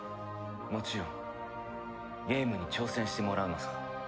もちろんゲームに挑戦してもらうのさ。